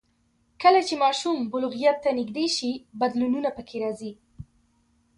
کله چې ماشوم بلوغیت ته نږدې شي، بدلونونه پکې راځي.